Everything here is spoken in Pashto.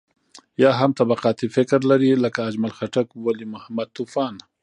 يا هم طبقاتي فکر لري لکه اجمل خټک، ولي محمد طوفان.